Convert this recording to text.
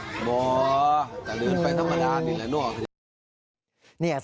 อ๋อแต่เดินไปธรรมดานี่แหละนะครับ